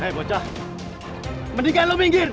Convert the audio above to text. hei bocah mendingan lo minggir